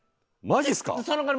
マジっすか？